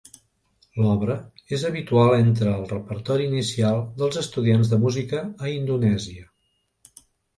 L'obra és habitual entre el repertori inicial dels estudiants de música a Indonèsia.